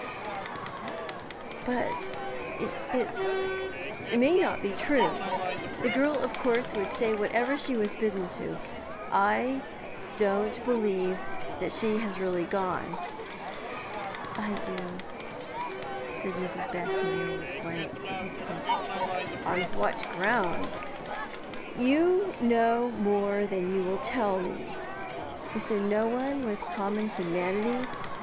'But it may not be true. The girl of course would say whatever she was bidden to. I don't believe that she has really gone.' 'I do,' said Mrs. Baxendale, with quiet significance. 'On what grounds? You know more than you will tell me. Is there no one with common humanity?